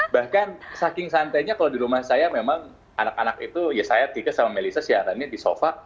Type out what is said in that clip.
bahkan saking santainya kalau di rumah saya memang anak anak itu ya saya tika sama melissa siarannya di sofa